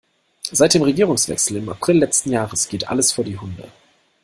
Seit dem Regierungswechsel im April letzten Jahres geht alles vor die Hunde.